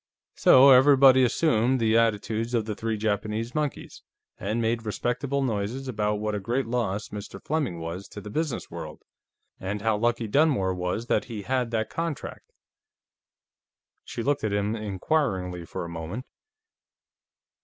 So everybody assumed the attitudes of the three Japanese monkeys, and made respectable noises about what a great loss Mr. Fleming was to the business world, and how lucky Dunmore was that he had that contract." She looked at him inquiringly for a moment.